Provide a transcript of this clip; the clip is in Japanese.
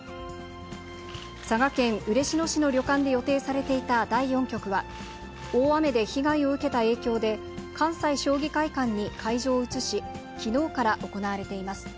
佐賀県嬉野市の旅館で予定されていた第４局は、大雨で被害を受けた影響で、関西将棋会館に会場を移し、きのうから行われています。